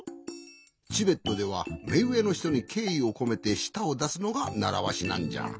チベットではめうえのひとにけいいをこめてしたをだすのがならわしなんじゃ。